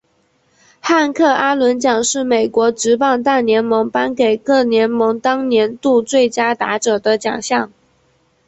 汉克阿伦奖是美国职棒大联盟颁给各联盟当年度最佳打者的奖项。